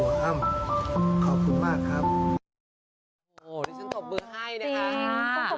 ทหลับเป็นมอบให้ส่วนตัว